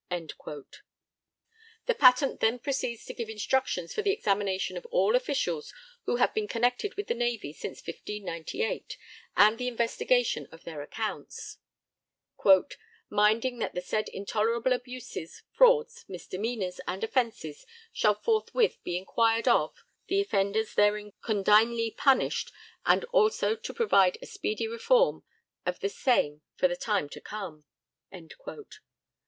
The patent then proceeds to give instructions for the examination of all officials who have been connected with the Navy since 1598 and the investigation of their accounts, minding that the said intolerable abuses, frauds, misdemeanours, and offences shall forthwith be enquired of, the offenders therein condignly punished and also to provide a speedy reform of the same for the time to come.